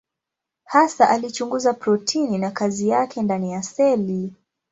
Hasa alichunguza protini na kazi yake ndani ya seli.